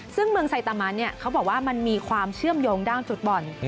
ซึ่งเมืองไซตามันเขาบอกว่ามันมีความเชื่อมโยงด้านจุดบ่อน